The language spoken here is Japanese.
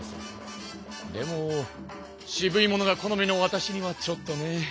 でも渋いものが好みのわたしにはちょっとね。